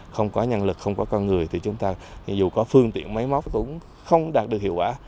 không có nhân lực không có con người thì chúng ta dù có phương tiện máy móc cũng không đạt được hiệu quả